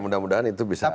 mudah mudahan itu bisa nular